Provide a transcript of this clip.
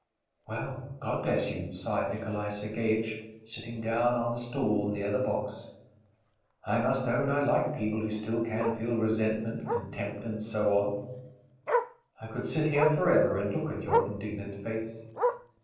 "Well, God bless you!" sighed Nikolay Sergeitch, sitting down on the stool near the box. "I must own I like people who still can feel resentment, contempt, and so on. I could sit here forever and look at your indignant face....